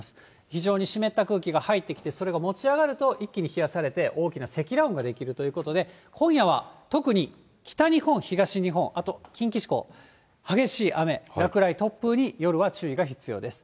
非常に湿った空気が入ってきて、それが持ち上がると一気に冷やされて、大きな積乱雲が出来るということで、今夜は特に北日本、東日本、あと近畿地方、激しい雨、落雷、突風に夜は注意が必要です。